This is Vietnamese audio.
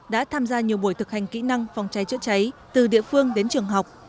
đã tham gia nhiều buổi thực hành kỹ năng phòng cháy chữa cháy từ địa phương đến trường học